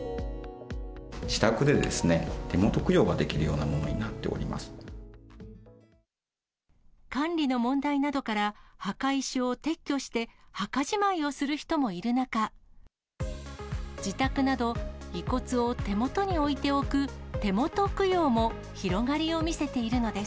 自宅で手元供養ができるよう管理の問題などから、墓石を撤去して、墓じまいをする人もいる中、自宅など、遺骨を手元に置いておく手元供養も広がりを見せているのです。